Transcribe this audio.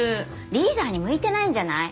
リーダーに向いてないんじゃない？